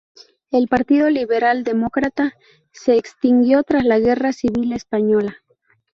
El Partido Liberal Demócrata se extinguió tras la Guerra Civil Española.